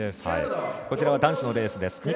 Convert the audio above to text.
こちらは男子のレースです。